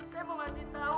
saya mau mesti tahu